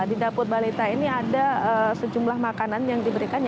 di daput balita ini ada sejumlah makanan yang diberikan